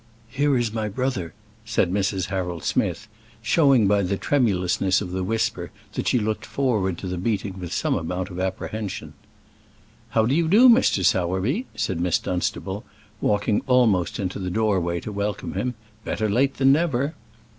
"Here is my brother," said Mrs. Harold Smith, showing by the tremulousness of the whisper that she looked forward to the meeting with some amount of apprehension. "How do you do, Mr. Sowerby?" said Miss Dunstable, walking almost into the doorway to welcome him. "Better late than never."